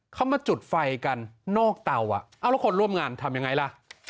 เขามาจุดไฟกันนอกเตาอ่ะเอ้าแล้วคนร่วมงานทำยังไงล่ะ